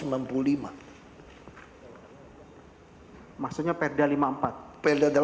maksudnya perda lima puluh empat